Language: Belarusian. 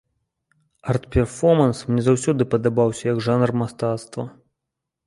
Арт-перфоманс мне заўсёды падабаўся, як жанр мастацтва.